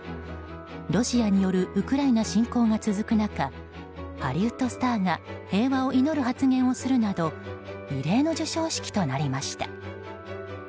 ロシアによるウクライナ侵攻が続く中ハリウッドスターが平和を祈る発言をするなど異例の授賞式となりました。